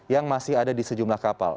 yang masih ada di sejumlah kapal